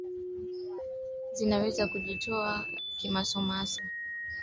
zinaweza kuzitoa kimasomaso nchi za afrika